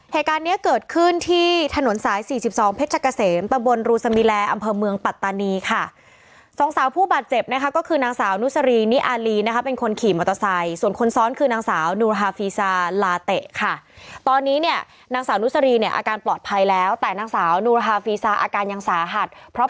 เหตุการณ์เนี้ยเกิดขึ้นที่ถนนสายสี่สิบสองเพชรเกษมตะบนรูสมิแลอำเภอเมืองปัตตานีค่ะสองสาวผู้บาดเจ็บนะคะก็คือนางสาวนุสรีนิอารีนะคะเป็นคนขี่มอเตอร์ไซค์ส่วนคนซ้อนคือนางสาวนูฮาฟีซาลาเตะค่ะตอนนี้เนี่ยนางสาวนุสรีเนี่ยอาการปลอดภัยแล้วแต่นางสาวนูรฮาฟีซาอาการยังสาหัสเพราะ